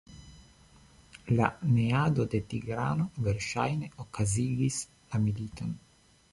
La neado de Tigrano verŝajne okazigis la militon.